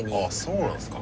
そうなんですか？